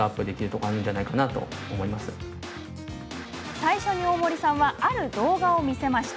最初に大森さんはある動画を見せました。